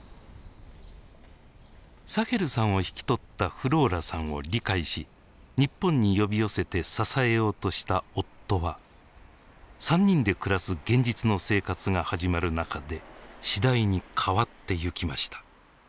サヘルさんを引き取ったフローラさんを理解し日本に呼び寄せて支えようとした夫は３人で暮らす現実の生活が始まる中で次第に変わってゆきました。